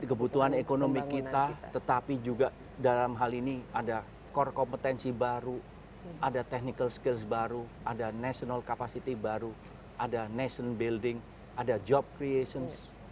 kebutuhan ekonomi kita tetapi juga dalam hal ini ada core kompetensi baru ada technical skills baru ada national capacity baru ada nation building ada job creations